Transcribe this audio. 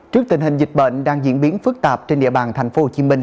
trước tình hình dịch bệnh đang diễn biến phức tạp trên địa bàn tp hcm